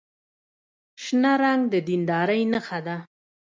شنه رنګ د دیندارۍ نښه ده.